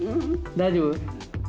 大丈夫？